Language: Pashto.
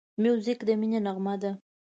موزیک د مینې نغمه ده.